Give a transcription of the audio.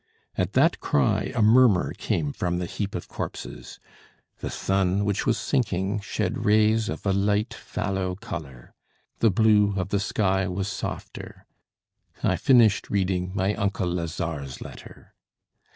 At that cry a murmur came from the heap of corpses. The sun, which was sinking, shed rays of a light fallow colour. The blue of the sky was softer. I finished reading my uncle Lazare's letter.